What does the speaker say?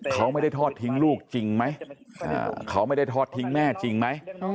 เขาไม่ได้ทอดทิ้งลูกจริงไหมเขาไม่ได้ทอดทิ้งแม่จริงไหม